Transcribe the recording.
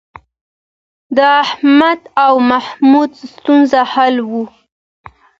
د احمد او محمود ستونزه حل وه